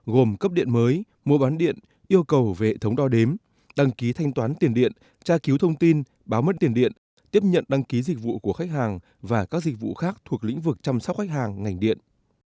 gồm cấp điện mới mua bán điện yêu cầu về hệ thống đo đếm đăng ký thanh toán tiền điện tra cứu thông tin báo mất tiền điện tiếp nhận đăng ký dịch vụ của khách hàng và các dịch vụ khác thuộc lĩnh vực chăm sóc khách hàng ngành điện